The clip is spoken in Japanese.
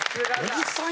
小木さん